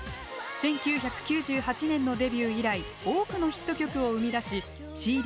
１９９８年のデビュー以来多くのヒット曲を生み出しＣＤ